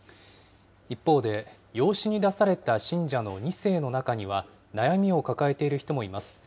一方で、養子に出された信者の２世の中には、悩みを抱えている人もいます。